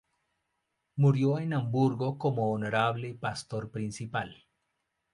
Murió en Hamburgo como honorable pastor principal.